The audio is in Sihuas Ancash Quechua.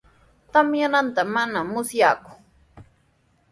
Tamyananta manami musyaaku.